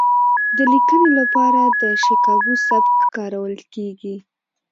د لیکنې لپاره د شیکاګو سبک کارول کیږي.